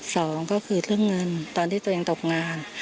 สองก็คือเรื่องเงินตอนที่ตัวเองตกงาน